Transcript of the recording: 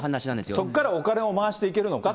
そっからお金を回していけるのかっていう。